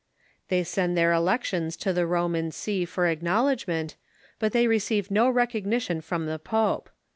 They send their elec tions to the Roman see for acknoAvledgment, but Jansenist they receive no recognition from the pope.